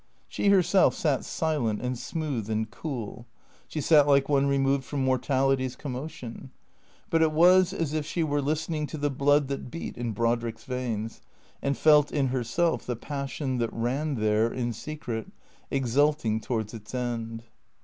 She herself sat silent and smooth and cool. She sat like one removed from mortality's commotion. But it was as if she were listening to the blood that beat in Brodrick's veins, and felt in herself the passion that ran there, in secret, exulting towards its end.